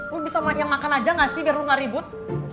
lo bisa makan aja gak sih biar lu gak ribut